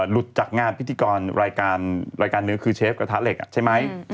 หลุดจากงานพิธีกรรายการรายการหนึ่งคือเชฟกระทะเหล็กใช่ไหม